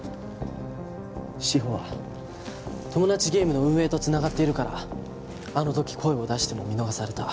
志法はトモダチゲームの運営と繋がっているからあの時声を出しても見逃された。